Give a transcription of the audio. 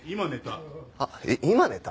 今寝た。